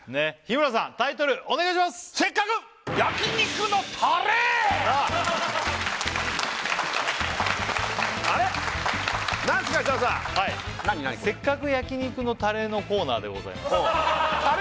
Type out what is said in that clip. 設楽さん「せっかく焼肉のタレ」のコーナーでございますタレ？